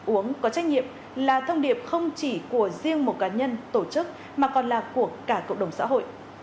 uống có trách nhiệm là thông điệp không chỉ của riêng một cá nhân tổ chức mà còn là của cả cộng đồng xã hội